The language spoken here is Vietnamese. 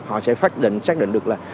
họ sẽ phát định xác định được là